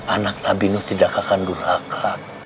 anak nabi nuh tidak akan durhaka